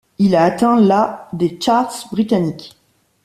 Il a atteint la des charts britanniques.